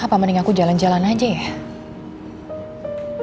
apa mending aku jalan jalan aja ya